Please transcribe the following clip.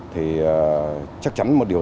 thì chắc chắn một điều